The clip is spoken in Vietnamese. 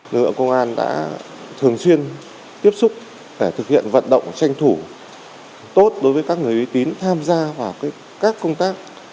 lực lượng công an đã thường xuyên tiếp xúc để thực hiện vận động tranh thủ tốt đối với các người uy tín tham gia vào các công tác